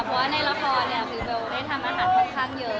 เพราะว่าในละครเนี่ยคือเบลได้ทำอาหารค่อนข้างเยอะ